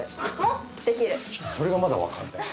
それがまだわかんない。